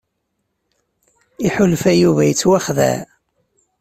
Iḥulfa Yuba yettwaxdeɛ.